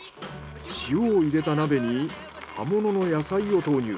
塩を入れた鍋に葉物の野菜を投入。